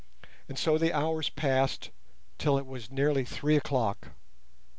And so the hours passed till it was nearly three o'clock.